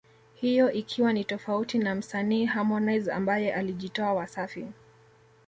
hiyo ikiwa ni tofauti na msanii Harmonize ambaye alijitoa Wasafi